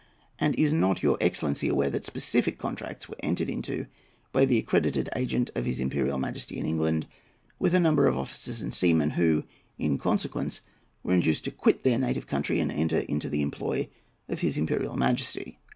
And is not your excellency aware that specific contracts were entered into by the accredited agent of his Imperial Majesty in England, with a number of officers and seamen, who, in consequence, were induced to quit their native country and enter into the employ of his Imperial Majesty?